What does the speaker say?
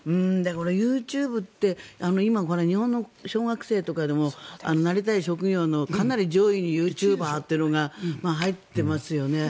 ＹｏｕＴｕｂｅって今、日本の小学生とかでもなりたい職業のかなり上位にユーチューバーというのが入っていますよね。